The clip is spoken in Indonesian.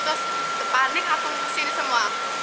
terus panik langsung kesini semua